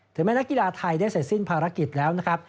แม้นักกีฬาไทยได้เสร็จสิ้นภารกิจแล้วนะครับ